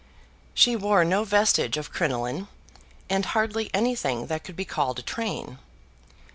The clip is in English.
She wore no vestige of crinoline, and hardly anything that could be called a train.